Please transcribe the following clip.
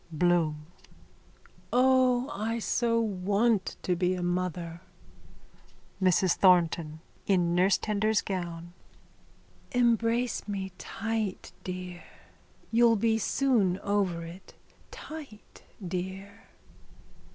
_ BLOOM: O, I so want to be a mother. MRS THORNTON: (In nursetender's gown.) Embrace me tight, dear. You'll be soon over it. Tight, dear.